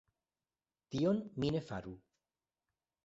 Tion mi ne faru.